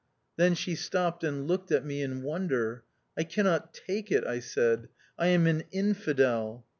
Then she stopped and looked at me in wonder. " I cannot take it," I said ;" I am an infidel."